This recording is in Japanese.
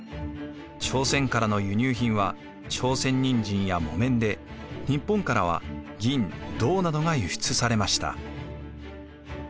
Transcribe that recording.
朝鮮からの輸入品は朝鮮人参や木綿で日本からは銀・銅などが輸出されました。